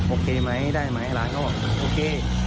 โอเคไหมได้ไหมหลานก็บอกโอเค